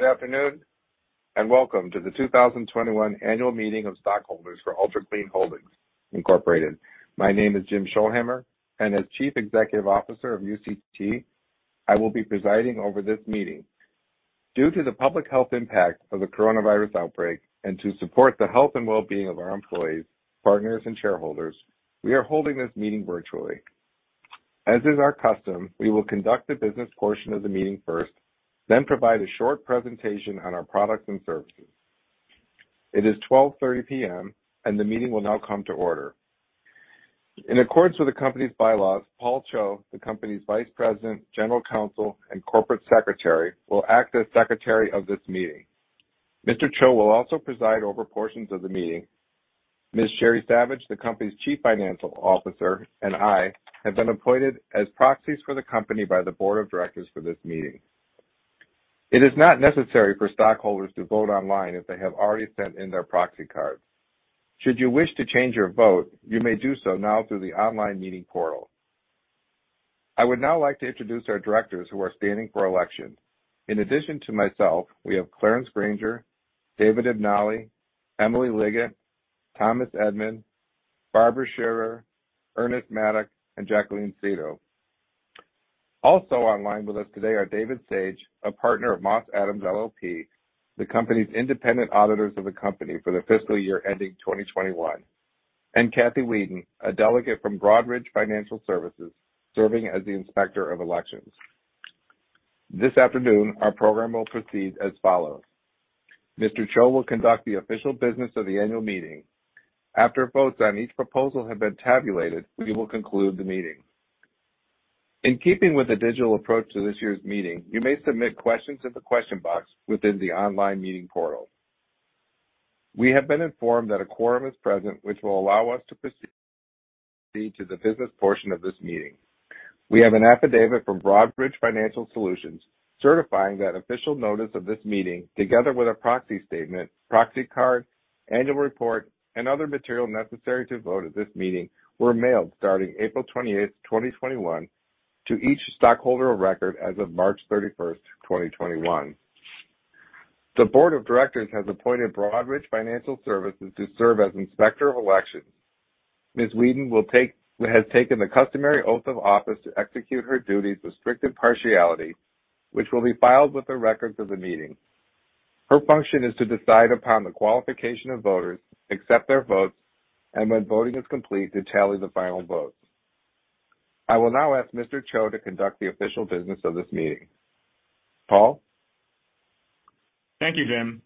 Good afternoon and welcome to the 2021 Annual Meeting of Stockholders for Ultra Clean Holdings, Incorporated. My name is Jim Scholhamer, and as Chief Executive Officer of UCT, I will be presiding over this meeting. Due to the public health impact of the coronavirus outbreak and to support the health and well-being of our employees, partners, and shareholders, we are holding this meeting virtually. As is our custom, we will conduct the business portion of the meeting first, then provide a short presentation on our products and services. It is 12:30 P.M., and the meeting will now come to order. In accordance with the company's bylaws, Paul Cho, the company's Vice President, General Counsel, and Corporate Secretary, will act as Secretary of this meeting. Mr. Cho will also preside over portions of the meeting. Ms. Sheri Savage, the company's Chief Financial Officer, and I have been appointed as proxies for the company by the Board of Directors for this meeting. It is not necessary for stockholders to vote online if they have already sent in their proxy cards. Should you wish to change your vote, you may do so now through the online meeting portal. I would now like to introduce our directors who are standing for election. In addition to myself, we have Clarence Granger, David Ibbetson, Emily Liggett, Thomas Edman, Barbara Scherer, Ernest Maddock, and Jacqueline Seto. Also online with us today are David Sage, a partner of Moss Adams LLP, the company's independent auditors of the company for the fiscal year ending 2021, and Kathy Wheaton, a delegate from Broadridge Financial Services serving as the inspector of elections. This afternoon, our program will proceed as follows. Mr. Cho will conduct the official business of the annual meeting. After votes on each proposal have been tabulated, we will conclude the meeting. In keeping with the digital approach to this year's meeting, you may submit questions in the question box within the online meeting portal. We have been informed that a quorum is present, which will allow us to proceed to the business portion of this meeting. We have an affidavit from Broadridge Financial Solutions certifying that official notice of this meeting, together with a proxy statement, proxy card, annual report, and other material necessary to vote at this meeting, were mailed starting April 28, 2021, to each stockholder of record as of March 31, 2021. The Board of Directors has appointed Broadridge Financial Solutions to serve as inspector of elections. Ms. Wheaton has taken the customary oath of office to execute her duties with strict impartiality, which will be filed with the records of the meeting. Her function is to decide upon the qualification of voters, accept their votes, and when voting is complete, to tally the final votes. I will now ask Mr. Cho to conduct the official business of this meeting. Paul? Thank you, Jim.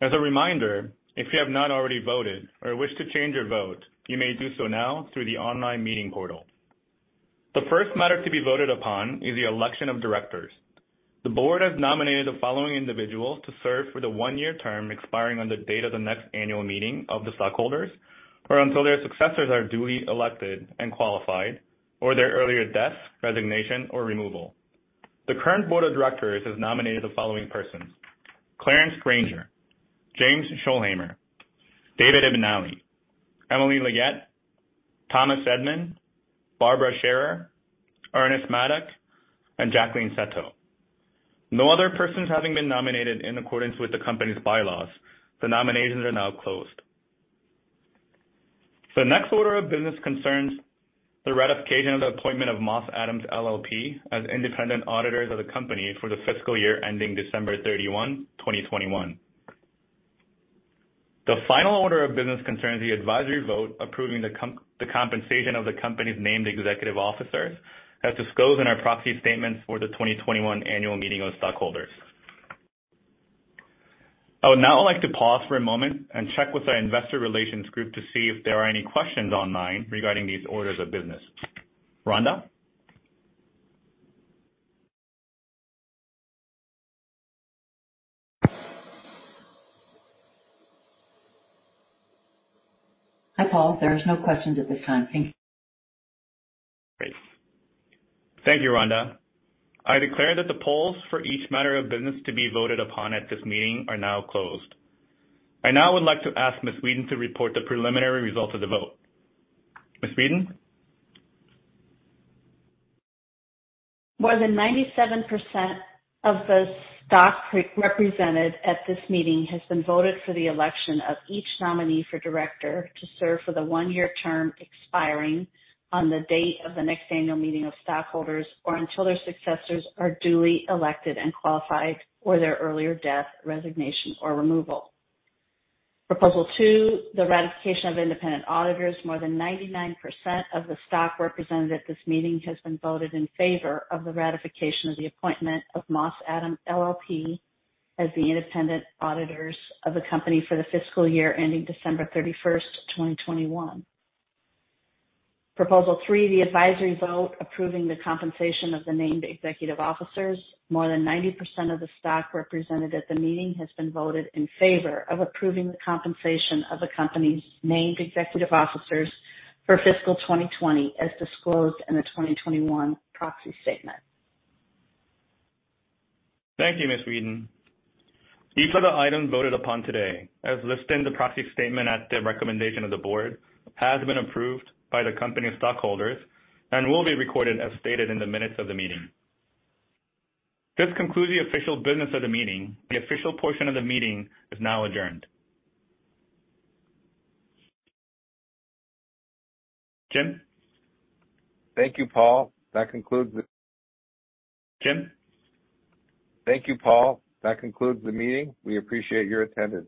As a reminder, if you have not already voted or wish to change your vote, you may do so now through the online meeting portal. The first matter to be voted upon is the election of directors. The board has nominated the following individuals to serve for the one-year term expiring on the date of the next annual meeting of the stockholders or until their successors are duly elected and qualified, or their earlier death, resignation, or removal. The current Board of Directors has nominated the following persons: Clarence Granger, James Scholhamer, David Ibbetson, Emily Liggett, Thomas Edman, Barbara Scherer, Ernest Maddock, and Jacqueline Seto. No other persons having been nominated in accordance with the company's bylaws. The nominations are now closed. The next order of business concerns the ratification of the appointment of Moss Adams LLP as independent auditors of the company for the fiscal year ending December 31, 2021. The final order of business concerns the advisory vote approving the compensation of the company's Named Executive Officers as disclosed in our proxy statement for the 2021 Annual Meeting of Stockholders. I would now like to pause for a moment and check with our investor relations group to see if there are any questions online regarding these orders of business. Rhonda? Hi, Paul. There are no questions at this time. Thank you. Great. Thank you, Rhonda. I declare that the polls for each matter of business to be voted upon at this meeting are now closed. I now would like to ask Ms. Wheaton to report the preliminary results of the vote. Ms. Wheaton? More than 97% of the stock represented at this meeting has been voted for the election of each nominee for director to serve for the one-year term expiring on the date of the next annual meeting of stockholders or until their successors are duly elected and qualified, or their earlier death, resignation, or removal. Proposal two, the ratification of independent auditors. More than 99% of the stock represented at this meeting has been voted in favor of the ratification of the appointment of Moss Adams LLP as the independent auditors of the company for the fiscal year ending December 31, 2021. Proposal three, the advisory vote approving the compensation of the Named Executive Officers. More than 90% of the stock represented at the meeting has been voted in favor of approving the compensation of the company's Named Executive Officers for fiscal 2020 as disclosed in the 2021 proxy statement. Thank you, Ms. Wheaton. Each of the items voted upon today, as listed in the proxy statement at the recommendation of the board, has been approved by the company's stockholders and will be recorded as stated in the minutes of the meeting. This concludes the official business of the meeting. The official portion of the meeting is now adjourned. Jim? Thank you, Paul. That concludes the. Jim? Thank you, Paul. That concludes the meeting. We appreciate your attendance.